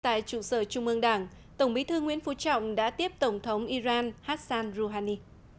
tại trụ sở trung ương đảng tổng bí thư nguyễn phú trọng đã tiếp tổng thống iran hassan rouhani